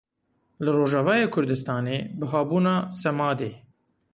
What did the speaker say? Li Rojavayê Kurdistanê bihabûna semadê.